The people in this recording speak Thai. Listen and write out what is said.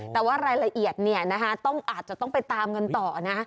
แต่ว่ารายละเอียดอาจจะต้องไปตามกันต่อนะ